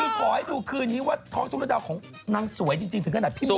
คือขอให้ดูคืนนี้ว่าท้องทุ่งระดาวของนางสวยจริงถึงขนาดพี่โ